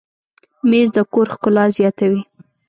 مېز د کور ښکلا زیاتوي.